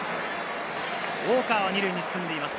ウォーカーは２塁に進んでいます。